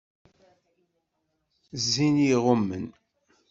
Zzin i iɣummen.